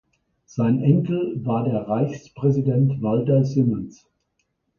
Sein Enkel war der Reichspräsident Walter Simons.